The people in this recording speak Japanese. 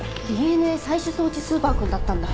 ＤＮＡ採取装置スーパー君だったんだ。